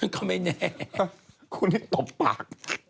ก็ไม่แน่คุณตบปาก